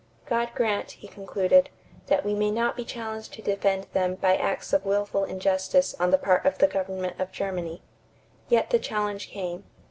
"God grant," he concluded, "that we may not be challenged to defend them by acts of willful injustice on the part of the government of Germany." Yet the challenge came.